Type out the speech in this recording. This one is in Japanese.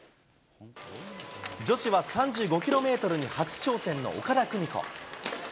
女子は３５キロメートルに初挑戦の岡田久美子。